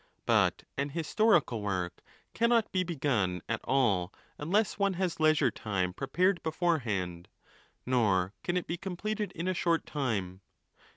But an historical work cannot be begun at all unless one has leisure time prepared beforehand, nor can it be completed in a short time.